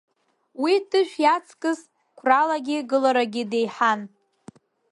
Уи, Тышә иаҵкыс қәралагьы гыларагьы деиҳан.